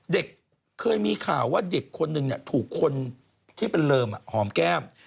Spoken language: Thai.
เด็กเคยมีข่าวว่าเด็กคนหนึ่งถูกคนที่เป็นเริมหอมแก้ม